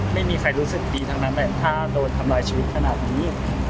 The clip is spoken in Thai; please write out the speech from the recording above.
ไม่มีใครรู้สึกดีทั้งนั้นถ้าโดนทำลายชีวิตขนาดนี้